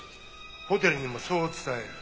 ホテルにもそう伝える。